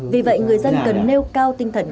vì vậy người dân cần nêu cao tinh thần